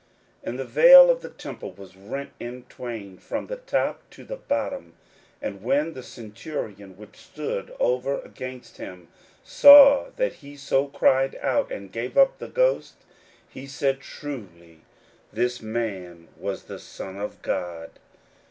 41:015:038 And the veil of the temple was rent in twain from the top to the bottom. 41:015:039 And when the centurion, which stood over against him, saw that he so cried out, and gave up the ghost, he said, Truly this man was the Son of God.